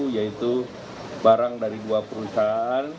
yaitu barang dari dua perusahaan